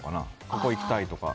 ここ行きたいとか。